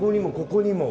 ここにも。